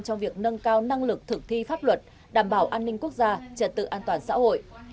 trong việc nâng cao năng lực thực thi pháp luật đảm bảo an ninh quốc gia trật tự an toàn xã hội